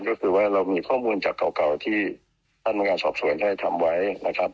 ก็คือว่าเรามีข้อมูลจากเก่าที่ท่านพนักงานสอบสวนให้ทำไว้นะครับ